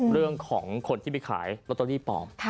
เรื่องของคนที่ไปขายลอตเตอรี่ปลอม